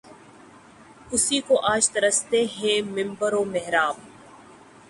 اسی کو آج ترستے ہیں منبر و محراب